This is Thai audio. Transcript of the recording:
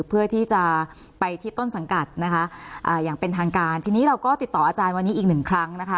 เพื่อที่จะไปที่ต้นสังกัดนะคะอย่างเป็นทางการทีนี้เราก็ติดต่ออาจารย์วันนี้อีกหนึ่งครั้งนะคะ